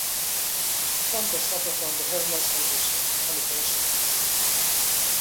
Trumper suffers from the hair loss condition, Alopecia.